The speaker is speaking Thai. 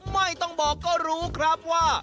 ไม่ต้องบอกก็รู้ครับว่า